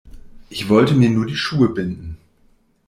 Ich wollte mir nur die Schuhe binden.